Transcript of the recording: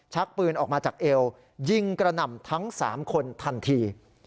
ชักปืนออกมาจากเอวยิงกระหน่ำทั้ง๓คนทันที